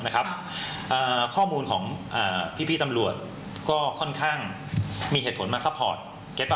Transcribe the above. ข้อมูลของพี่ตำรวจก็ค่อนข้างมีเหตุผลมาซัพพอร์ต